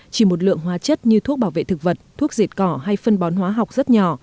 chỉ một lượng hóa chất như thuốc bảo vệ thực vật thuốc diệt cỏ hay phân bón hóa học rất nhỏ